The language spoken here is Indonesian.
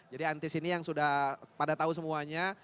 jadi antis ini yang sudah pada tahu semuanya